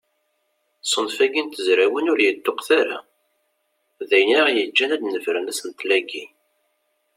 Ṣṣenf-agi n tezrawin ur yeṭṭuqet ara, d ayen aɣ-yeǧǧen ad d-nefren asentel-agi.